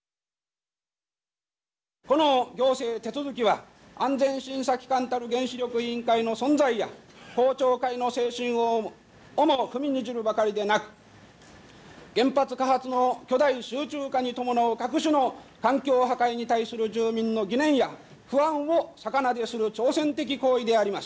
この行政手続は安全審査機関たる原子力委員会の存在や公聴会の精神をも踏みにじるばかりでなく原発火発の巨大集中化に伴う各種の環境破壊に対する住民の疑念や不安を逆なでする挑戦的行為であります。